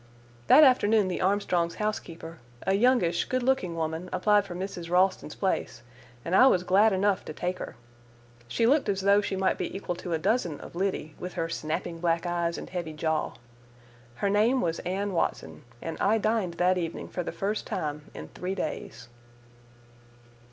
That afternoon the Armstrongs' housekeeper, a youngish good looking woman, applied for Mrs. Ralston's place, and I was glad enough to take her. She looked as though she might be equal to a dozen of Liddy, with her snapping black eyes and heavy jaw. Her name was Anne Watson, and I dined that evening for the first time in three days.